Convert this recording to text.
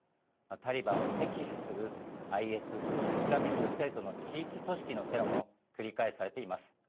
タリバンを敵視するＩＳ＝イスラミックステートの地域組織のテロも繰り返されています。